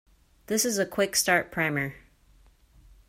This is a quick start primer.